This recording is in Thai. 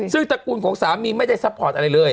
ซึ่งตระกูลของสามีไม่ได้ซัพพอร์ตอะไรเลย